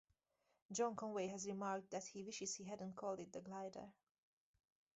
John Conway has remarked that he wishes he hadn't called it the glider.